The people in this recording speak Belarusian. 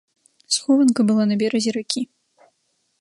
Схованка была на беразе ракі.